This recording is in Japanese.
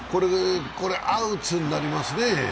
これ、アウトになりますね。